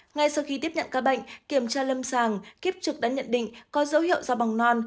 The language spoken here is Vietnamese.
ngay sau khi tiếp nhận ca bệnh kiểm tra lâm sàng kiếp trực đã nhận định có dấu hiệu do mầm non